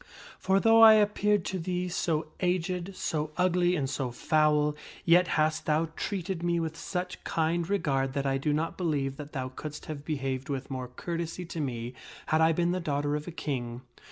For though I appeared to thee so aged, so ugly, and so foul, yet hast thou treated me with such kind regard that I do not believe that thou couldst have behaved with, more courtesy to me had I been the daughter of a king.